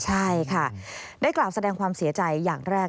ใช่ค่ะได้กล่าวแสดงความเสียใจอย่างแรก